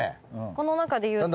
この中で言うと。